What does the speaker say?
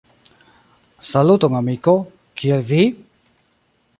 Saluton amiko, kiel vi?